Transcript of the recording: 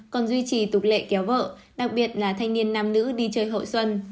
còn duy trì tục lệ kéo vợ đặc biệt là thanh niên nam nữ đi chơi hậu xuân